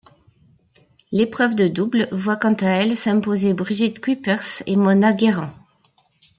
L'épreuve de double voit quant à elle s'imposer Brigitte Cuypers et Mona Guerrant.